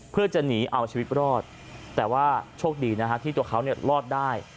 เพื่อจะหนีเอาชีวิตรอดแต่ว่าโชคดีนะฮะที่ตัวเขาเนี่ยรอดได้